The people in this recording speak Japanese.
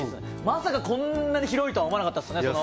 まさかこんなに広いとは思わなかったっすね